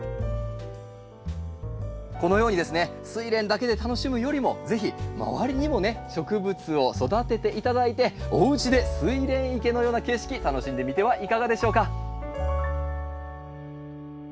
このようにですねスイレンだけで楽しむよりも是非周りにもね植物を育てて頂いておうちでスイレン池のような景色楽しんでみてはいかがでしょうか？